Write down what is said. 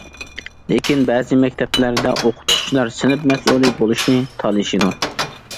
لېكىن بەزى مەكتەپلەردە ئوقۇتقۇچىلار سىنىپ مەسئۇلى بولۇشنى تالىشىدۇ.